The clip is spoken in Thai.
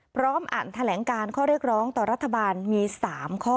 พร้อมอ่านแถลงการข้อเรียกร้องต่อรัฐบาลมี๓ข้อ